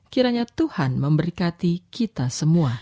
kiranya tuhan memberkati kita semua